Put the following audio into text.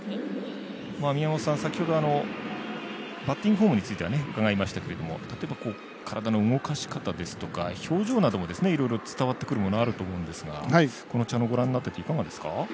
宮本さん、先ほどバッティングフォームについては伺いましたけれども例えば、体の動かし方とか表情などもいろいろ伝わってくるものあると思うんですがこの茶野をご覧になってていかがですか？